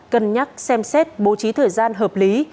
cân nhắc xem xét bố trí thời gian hợp lý